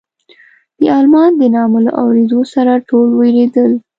د المان د نامه له اورېدو سره ټول وېرېدل.